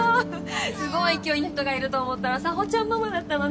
すごい勢いの人がいると思ったら佐帆ちゃんママだったのね。